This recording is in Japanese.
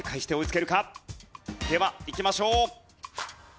ではいきましょう。